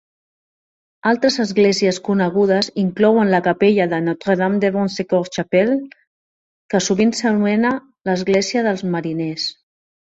Altres esglésies conegudes inclouen la capella de Notre-Dame-de-Bon-Secours Chapel, que sovint s'anomena l'església dels mariners.